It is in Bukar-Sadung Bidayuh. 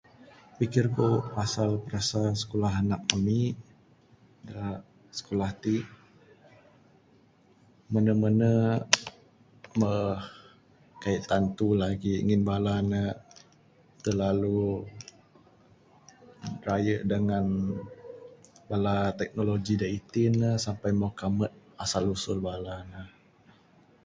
Pikir ku pasal kesa skulah anak ami, da skulah ti, menu menu mbuh kai'k tantu lagi'k, ngin bala ne terlalu rayu'k dengan bala teknologi da iti ne, sampai mboh kambut asal usul bala ne.